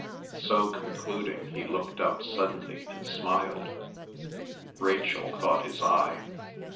So concluding he looked up suddenly and smiled. Rachel caught his eye.